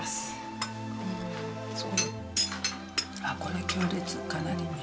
あこれ強烈かなり。